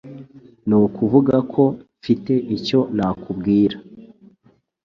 Nukuvugako, mfite icyo nakubwira.